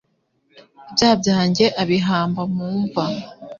ibyaha byange abihamba mumva